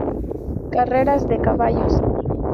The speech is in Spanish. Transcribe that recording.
Carreras de caballos.